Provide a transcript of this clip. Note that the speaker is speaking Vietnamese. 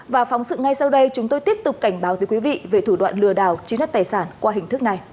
và phóng sự ngay sau đây chúng tôi tiếp tục cảnh báo tới quý vị về thủ đoạn lừa đảo chiếm đất tài sản qua hình thức này